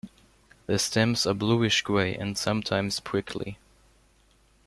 The stems are bluish-grey and sometimes prickly.